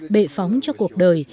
bệ phóng cho cuộc đời